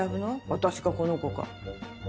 私かこの子か。